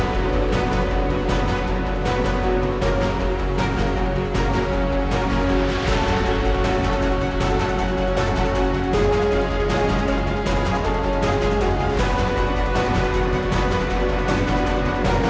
jangan lupa untuk berlangganan di kolom komentar